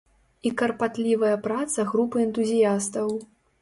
І карпатлівая праца групы энтузіястаў.